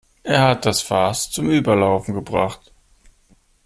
Er hat das Fass zum Überlaufen gebracht.